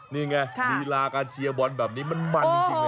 นี่ไงลีลาการเชียร์บอลแบบนี้มันมันจริงนะ